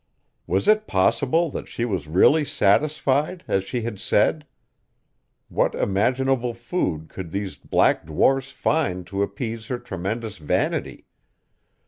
Was it possible that she was really satisfied, as she had said? What imaginable food could these black dwarfs find to appease her tremendous vanity?